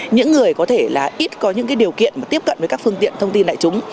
những người có thể là ít có những điều kiện mà tiếp cận với các phương tiện thông tin đại chúng